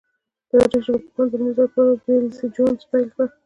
تاریخي ژبپوهنه د لومړی ځل له پاره ویلم جونز پیل کړه.